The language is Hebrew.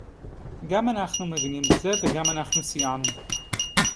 גם אנחנו מבינים בזה וגם אנחנו סייענו